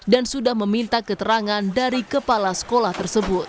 dan sudah meminta keterangan dari kepala sekolah tersebut